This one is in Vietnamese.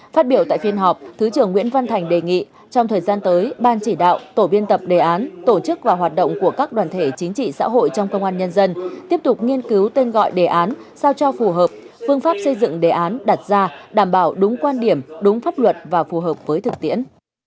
phát biểu tại phiên họp thứ trưởng nguyễn văn thành đề nghị trong thời gian tới ban chỉ đạo tổ biên tập đề án tổ chức và hoạt động của các đoàn thể chính trị xã hội trong công an nhân dân tiếp tục nghiên cứu tên gọi đề án sao cho phù hợp phương pháp xây dựng đề án đặt ra đảm bảo đúng quan điểm đúng pháp luật và phù hợp với thực tiễn